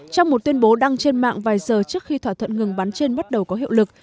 trong một tuyên bố đăng trên mạng vài giờ trước khi thỏa thuận ngừng bắn trên bắt đầu có hiệu lực